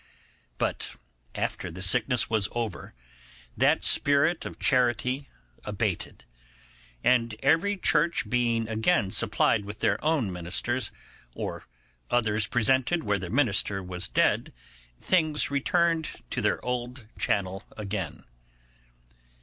But after the sickness was over, that spirit of charity abated; and every church being again supplied with their own ministers, or others presented where the minister was dead, things returned to their old channel again.